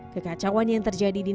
kekacauan yang terjadi di